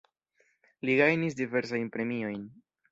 Li gajnis diversajn premiojn.